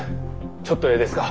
ちょっとええですか。